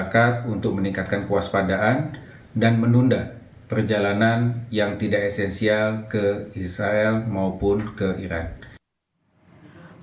jicked out to koran and third monte vraiment karena diesemno bonjour belgian you news hari kaya sebab ada t gradiana yang tunjukkan menempatkan waek crispy gak lebih umum quality and betelu